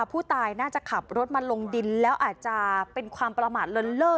ผู้ตายน่าจะขับรถมาลงดินแล้วอาจจะเป็นความประมาทเลินเล่อ